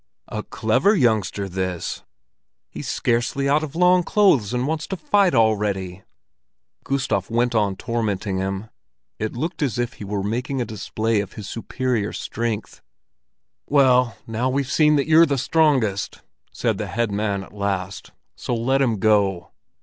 "A clever youngster, this! He's scarcely out of long clothes, and wants to fight already!" Gustav went on tormenting him; it looked as if he were making a display of his superior strength. "Well, now we've seen that you're the strongest," said the head man at last, "so let him go!"